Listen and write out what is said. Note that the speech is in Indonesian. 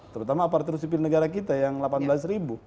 terutama partai resipi negara kita yang delapan belas ribu